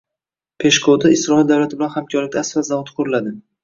Peshko‘da Isroil davlati bilan hamkorlikda asfalt zavodi quriladi